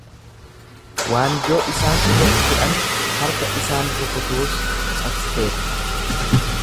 Wanjoo isaan irratti fe'ame, harka isaan rukutuus cabsiteetta.